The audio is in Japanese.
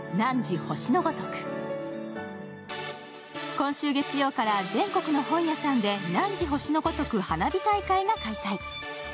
今週月曜から全国の本屋さんで「汝、星のごとく」花火大会が開催。